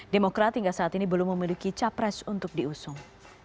demokrat hingga saat ini belum memiliki capres untuk diusung